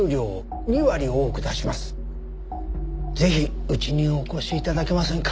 ぜひうちにお越し頂けませんか？